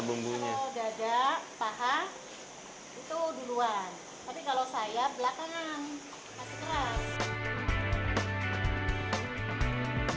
bumbunya dada paha itu duluan tapi kalau saya belakangan masih keras